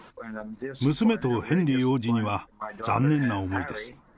娘とヘンリー王子には残念な思いです。